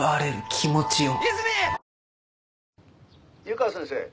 湯川先生。